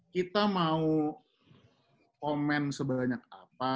kita mau komen sebanyak apa